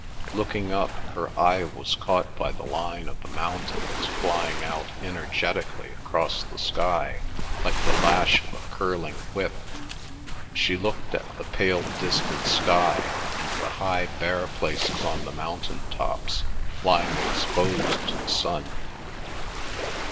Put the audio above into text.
Looking up, her eye was caught by the line of the mountains flying out energetically across the sky like the lash of a curling whip. She looked at the pale distant sky, and the high bare places on the mountain tops lying exposed to the sun.